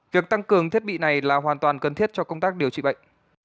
việc tăng cường thiết bị này là hoàn toàn cần thiết cho công tác điều trị bệnh